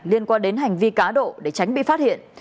liên quan đến hành vi cá độ để tránh bị phát hiện